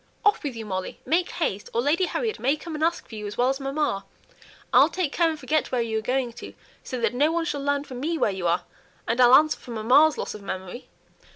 Off with you, Molly. Make haste, or Lady Harriet may come and ask for you as well as mamma. I'll take care and forget where you are going to, so that no one shall learn from me where you are, and I'll answer for mamma's loss of memory."